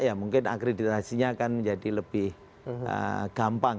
ya mungkin akreditasinya akan menjadi lebih gampang